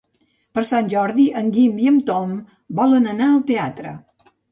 Per Sant Jordi en Guim i en Tom volen anar al teatre.